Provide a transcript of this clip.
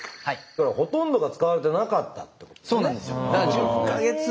ほとんどが使われてなかったってことですね。